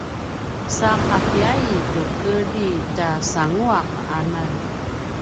sa qatiyai tu kedri tjasanguaq anan